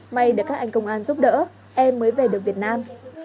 may được các anh công an giúp đỡ em mới về được việt nam